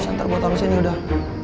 santai gua taro sini udah